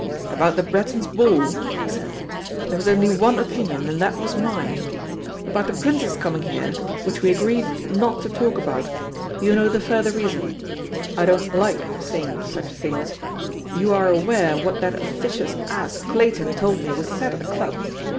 "About the Brettons' ball," he said, "there was only one opinion, and that was mine. About the Prince's coming here, which we agreed not to talk about, you know the further reason. I don't like saying such things. You are aware what that officious ass Clayton told me was said at the club.